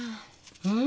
うん？